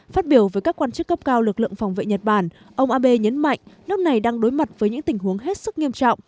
phát biểu với các quan chức cấp cao lực lượng phòng vệ nhật bản ông abe nhấn mạnh nước này đang đối mặt với những tình huống hết sức nghiêm trọng